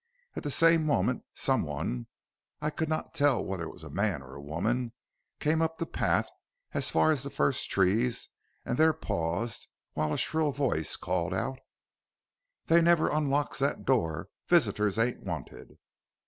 At the same moment, some one, I could not tell whether it was a man or a woman, came up the path as far as the first trees and there paused, while a shrill voice called out: "'They never unlocks that door; visitors ain't wanted.'